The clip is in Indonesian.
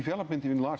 dan itu juga membuat